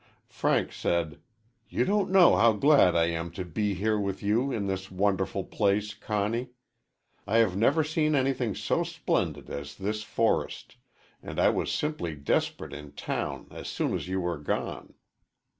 Frank said: "You don't know how glad I am to be here with you in this wonderful place, Conny. I have never seen anything so splendid as this forest, and I was simply desperate in town as soon as you were gone."